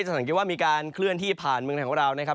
สังเกตว่ามีการเคลื่อนที่ผ่านเมืองไทยของเรานะครับ